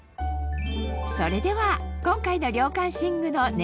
それでは今回の涼感寝具のはあ！